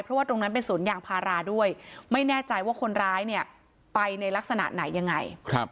เพราะว่าตรงนั้นเป็นสวนยางพาราด้วยไม่แน่ใจว่าคนร้ายเนี่ยไปในลักษณะไหนยังไง